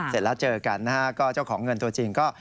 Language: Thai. เสร็จแล้วเจอกันนะฮะก็เจ้าของเงินตัวจริงก็